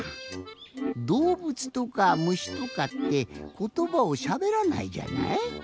どうぶつとかむしとかってことばをしゃべらないじゃない？